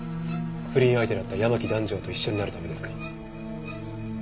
不倫相手だった山木弾正と一緒になるためですか？